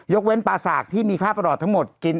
เว้นปลาสากที่มีค่าประหลอดทั้งหมดกิน